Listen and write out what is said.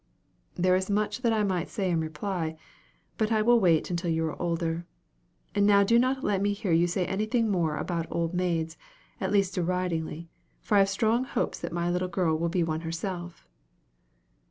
"There is much that I might say in reply, but I will wait until you are older. And now do not let me hear you say anything more about old maids, at least deridingly; for I have strong hopes that my little girl will be one herself."